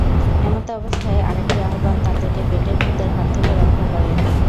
এমতাবস্থায় আরেকটি আহ্বান তাদেরকে পেটের ভূতের হাত থেকে রক্ষা করে।